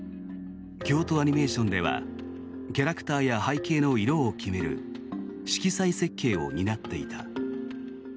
京都アニメーションではキャラクターや背景の色を決める色彩設計を担っていた。